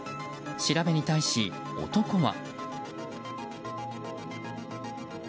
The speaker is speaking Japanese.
調べに対し男は。